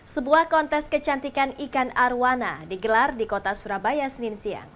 sebuah kontes kecantikan ikan arowana digelar di kota surabaya senin siang